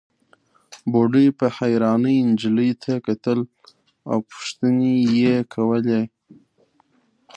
بوډۍ په حيرانۍ نجلۍ ته کتل او پوښتنې يې کولې.